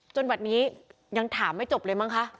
บัตรนี้ยังถามไม่จบเลยมั้งคะ